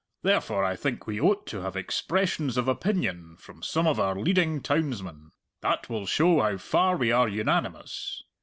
Therefore I think we oat to have expressions of opinion from some of our leading townsmen. That will show how far we are unanimous.